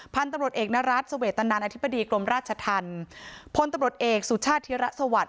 พันธุ์ตำรวจเอกนรัฐเสวตนานอธิบดีกรมราชธรรมพลตำรวจเอกสุชาติธิระสวัสดิ